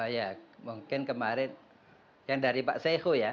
ya mungkin kemarin yang dari pak sehu ya